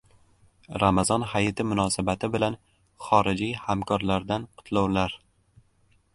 Ramazon hayiti munosabati bilan xorijiy hamkorlardan qutlovlar